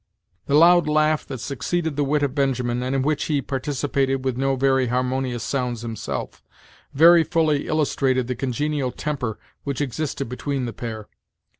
The loud laugh that succeeded the wit of Benjamin, and in which he participated with no very harmonious sounds himself, very fully illustrated the congenial temper which existed between the pair.